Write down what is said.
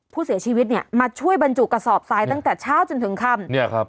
ผู้เสียชีวิตเนี่ยมาช่วยบรรจุกระสอบทรายตั้งแต่เช้าจนถึงค่ำเนี่ยครับ